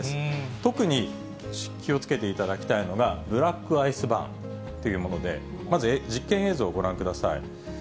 特に、気をつけていただきたいのが、ブラックアイスバーンというもので、まず実験映像、ご覧ください。